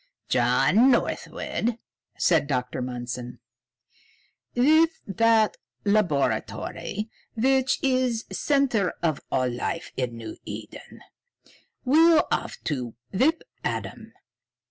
"John Northwood," said Dr. Mundson, "with that laboratory, which is the center of all life in New Eden, we'll have to whip Adam.